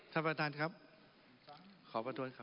ท่านประธานครับขอประท้วงครับ